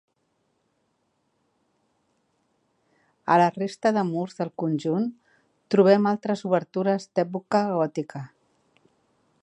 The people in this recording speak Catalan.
A la resta de murs del conjunt trobem altres obertures d'època gòtica.